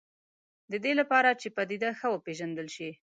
د دې لپاره چې پدیده ښه وپېژندل شي.